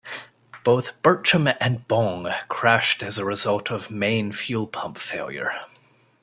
Both Burcham and Bong crashed as a result of main fuel pump failure.